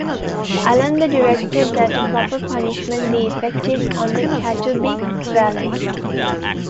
Allen the directed that a proper punishment be effected on the Catubig Valley.